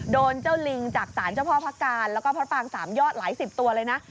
โดนเจ้าลิงจากศาลเจ้าพ่อพระการแล้วก็พระปางสามยอดหลายสิบตัวเลยนะ